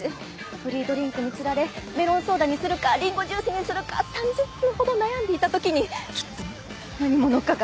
フリードリンクに釣られメロンソーダにするかリンゴジュースにするか３０分ほど悩んでいた時にきっと何者かが。